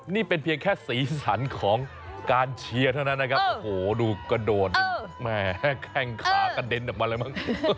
นี่เป็นเพียงแค่สีสันของการเชียเท่านั้นนะครับโอ้โหดูกระโดดแข่งขากระเด็นอะไรมั้ง